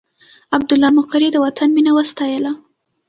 عبدالله مقري د وطن مینه وستایله.